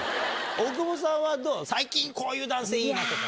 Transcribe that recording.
大久保さんはどう、最近、こういう男性いいなとか。